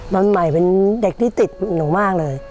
วันใหม่เป็นเด็กที่ติดหนูมากเลย